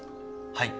はい。